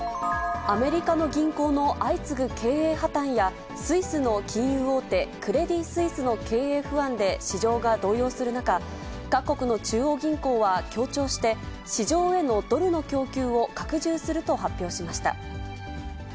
アメリカの銀行の相次ぐ経営破綻や、スイスの金融大手、クレディ・スイスの経営不安で市場が動揺する中、各国の中央銀行は協調して、市場へのドルの供給を拡充すると発表しました。